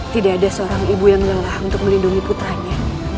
tidak ada seorang ibu yang lelah untuk melindungi putranya